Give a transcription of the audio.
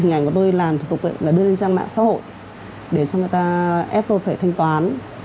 hình ảnh của tôi làm thủ tục là đưa lên trang mạng xã hội để cho người ta ép tôi phải thanh toán